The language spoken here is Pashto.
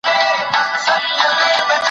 وطن یې خپل، جنګ یې پردی، سوله پردي راولي